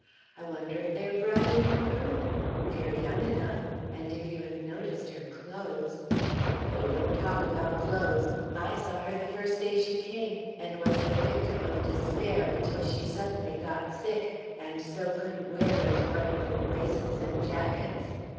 I wonder if they are bride and groom? They are young enough, and if you have noticed her clothes " "Oh, don't talk about clothes. I saw her the first day she came, and was the victim of despair until she suddenly got sick and so couldn't wear those wonderful waists and jackets.